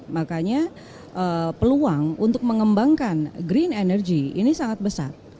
makanya peluang untuk mengembangkan green energy ini sangat besar